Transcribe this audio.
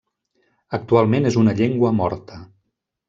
Actualment és una llengua morta.